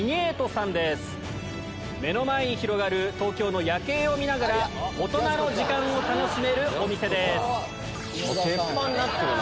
目の前に広がる東京の夜景を見ながら大人の時間を楽しめるお店です。